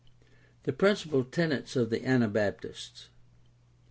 The principal tenets of the Anabaptists.